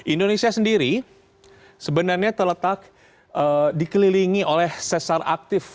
indonesia sendiri sebenarnya terletak dikelilingi oleh sesar aktif